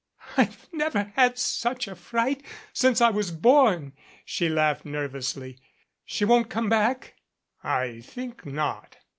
"I've never had such a fright since I was born," she laughed nervously. "She won't come back?" "I think not."